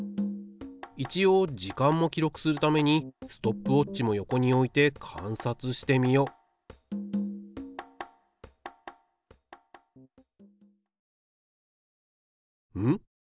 一応時間も記録するためにストップウォッチも横に置いて観察してみよううん？